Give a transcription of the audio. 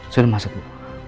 sudah masuk bu